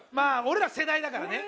俺ら世代だからね。